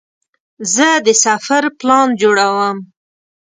زه د سفر پلان جوړوم.